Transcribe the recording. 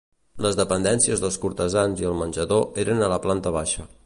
Les dependències dels cortesans i el menjador eren a la planta baixa.